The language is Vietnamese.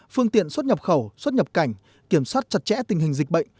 phương tiện xuất nhập khẩu xuất nhập cảnh kiểm soát chặt chẽ tình hình dịch bệnh